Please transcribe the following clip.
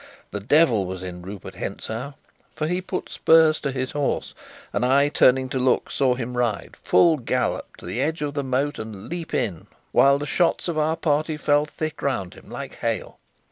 The devil was in Rupert Hentzau; for he put spurs to his horse, and I, turning to look, saw him ride, full gallop, to the edge of the moat and leap in, while the shots of our party fell thick round him like hail.